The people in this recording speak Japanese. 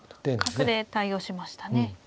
角で対応しましたね。